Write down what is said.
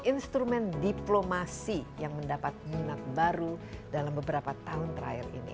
instrumen diplomasi yang mendapat minat baru dalam beberapa tahun terakhir ini